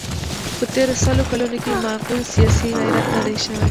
په تېرو سلو کلونو کې معقول سیاسي غیرت نه دی شوی.